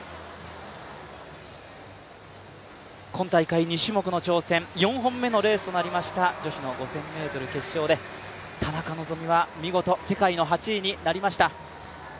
今大会２種目の挑戦、４本目のレースとなりました女子の５０００ｍ決勝で、田中希実は見事、世界の８位になりました。